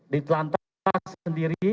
di telantang pas sendiri